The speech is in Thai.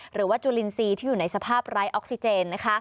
หรือว่าจุลินทรีย์ที่อยู่ในสภาพไร้ออกซิเจน